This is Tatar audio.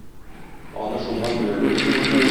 Аны шуннан белербез.